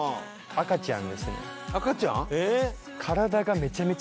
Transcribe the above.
赤ちゃん？